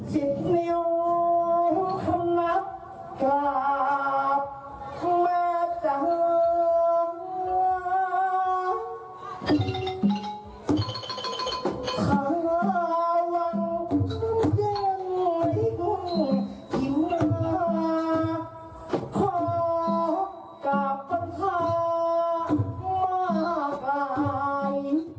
หิวหาความกับปัญหามากกาย